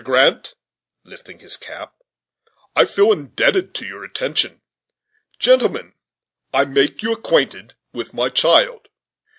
Grant," lifting his cap, "I feel indebted to your attention. Gentlemen, I make you acquainted with my child.